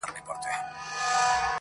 ددې ښـــــار څــــو ليونـيـو_